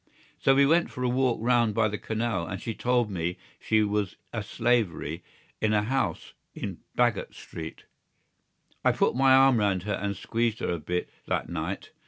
So we went for a walk round by the canal and she told me she was a slavey in a house in Baggot Street. I put my arm round her and squeezed her a bit that night.